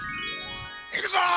いくぞー！